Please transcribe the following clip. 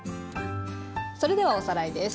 それではおさらいです。